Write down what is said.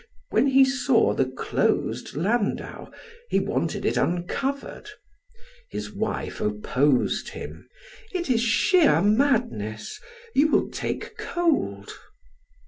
When he saw the closed landau, he wanted it uncovered. His wife opposed him: "It is sheer madness! You will take cold."